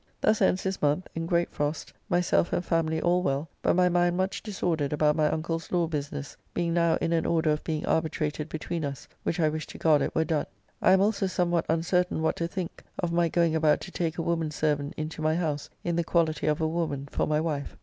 Thus ends this month; in great frost; myself and family all well, but my mind much disordered about my uncle's law business, being now in an order of being arbitrated between us, which I wish to God it were done. I am also somewhat uncertain what to think of my going about to take a woman servant into my house, in the quality of a woman for my wife.